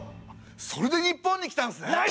それで日本に来たんですね！